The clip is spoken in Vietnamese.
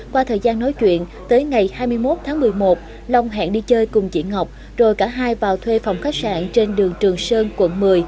qua thời gian nói chuyện tới ngày hai mươi một tháng một mươi một long hẹn đi chơi cùng chị ngọc rồi cả hai vào thuê phòng khách sạn trên đường trường sơn quận một mươi